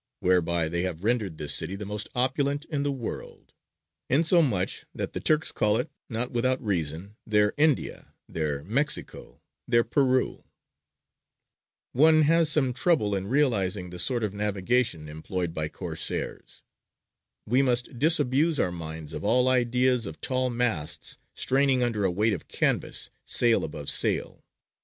whereby they have rendered this city the most opulent in the world: insomuch that the Turks call it, not without reason, their India, their Mexico, their Peru." [Illustration: GALLEY RUNNING BEFORE THE WIND. (Jurien de la Gravière.)] One has some trouble in realizing the sort of navigation employed by Corsairs. We must disabuse our minds of all ideas of tall masts straining under a weight of canvas, sail above sail.